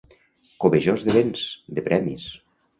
Cobejós de béns, de premis.